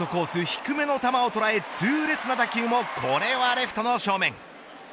低めの球を捉え痛烈な打球もこれはレフトの正面。